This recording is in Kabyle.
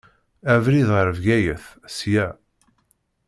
Abrid ɣer Bgayet, sya.